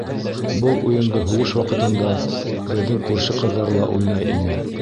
Был уйынды һуғыш ваҡытында беҙҙең күрше ҡыҙҙары ла уйнай ине.